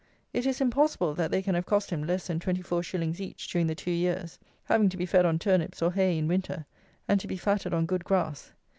It is impossible that they can have cost him less than 24_s._ each during the two years, having to be fed on turnips or hay in winter, and to be fatted on good grass.